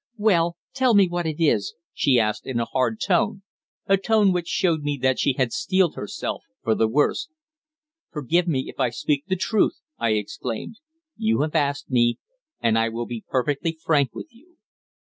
"Well, tell me what it is," she asked in a hard tone, a tone which showed me that she had steeled herself for the worst. "Forgive me if I speak the truth," I exclaimed. "You have asked me, and I will be perfectly frank with you.